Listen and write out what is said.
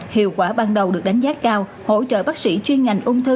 hiệu quả ban đầu được đánh giá cao hỗ trợ bác sĩ chuyên ngành ung thư